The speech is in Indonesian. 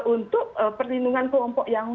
untuk perlindungan kelompok yang